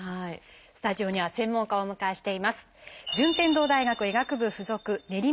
スタジオには専門家をお迎えしています。